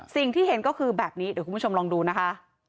สิ่งที่เห็นก็คือแบบนี้เดี๋ยวคุณผู้ชมลองดูนะคะ